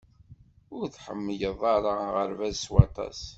Ur tḥemmleḍ ara aɣerbaz s waṭas.